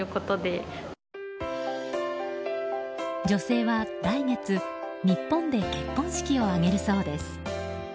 女性は来月日本で結婚式を挙げるそうです。